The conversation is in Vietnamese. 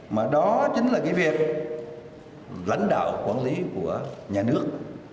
mà đó chính là cái việc lãnh đạo quản lý của nhà nước